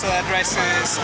ya benar benar luar biasa